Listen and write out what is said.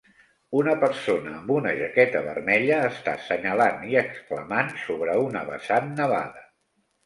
Una persona amb una jaqueta vermella està senyalant i exclamant sobre una vessant nevada.